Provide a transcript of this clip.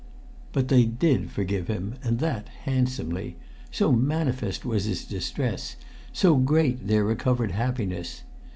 But they did forgive him, and that handsomely so manifest was his distress so great their recovered happiness.